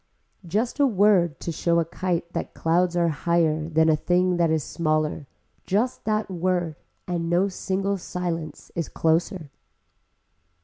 Just a word to show a kite that clouds are higher than a thing that is smaller, just that word and no single silence is closer.